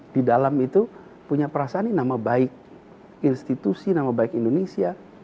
di dalam itu punya perasaan ini nama baik institusi nama baik indonesia